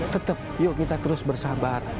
tetap yuk kita terus bersabar